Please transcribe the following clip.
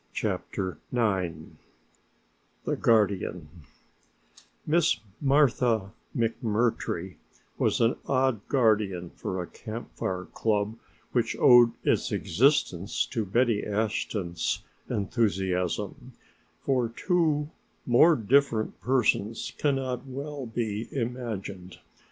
CHAPTER IX THE GUARDIAN Miss Martha McMurtry was an odd guardian for a Camp Fire club which owed its existence to Betty Ashton's enthusiasm, for two more different persons cannot well be imagined.